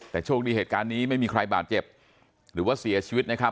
แต่โชคดีเหตุการณ์นี้ไม่มีใครบาดเจ็บหรือว่าเสียชีวิตนะครับ